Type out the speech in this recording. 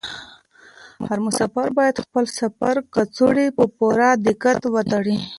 هر مسافر باید د خپل سفر کڅوړه په پوره دقت وتړي.